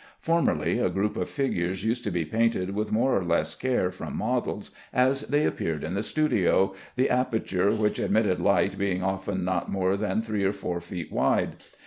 Formerly a group of figures used to be painted with more or less care from models as they appeared in the studio, the aperture which admitted light being often not more than three or four feet wide.